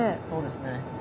そうですね。